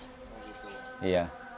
oh gitu iya